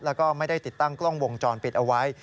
แล้วก็ไม่ได้ติดตั้งกล้องวงจรปิดเอาไว้